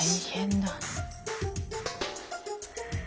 大変だ。